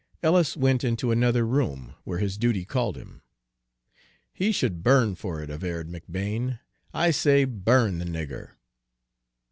Ellis went into another room, where his duty called him. "He should burn for it," averred McBane. "I say, burn the nigger."